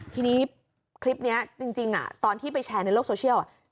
ทีนี้คลิปนี้จริงตอนที่ไปแชร์ในโลกโซเชียล